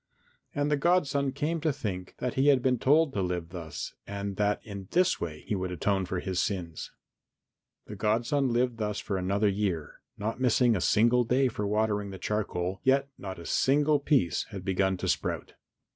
And the godson came to think that he had been told to live thus and that in this way he would atone for his sins. The godson lived thus for another year, not missing a single day for watering the charcoal, yet not a single piece had begun to sprout.